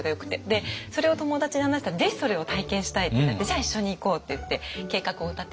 でそれを友達に話したらぜひそれを体験したいってなってじゃあ一緒に行こうって言って計画を立てて。